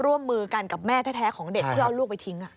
ร่วมมือกันกับแม่แท้ของเด็กเพื่อเอาลูกไปทิ้ง